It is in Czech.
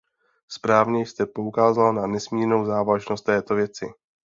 Správně jste poukázal na nesmírnou závažnost této věci.